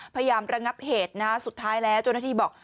ระงับเหตุนะสุดท้ายแล้วเจ้าหน้าที่บอก